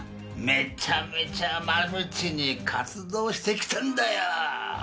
めちゃめちゃマルチに活動してきたんだよ。